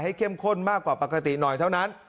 เข้มข้นมากกว่าปกติหน่อยเท่านั้น